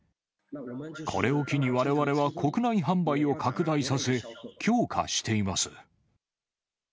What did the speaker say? これを機に、われわれは国内販売を拡大させ、強化しています。